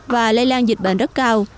và lây lan dịch bệnh rất cao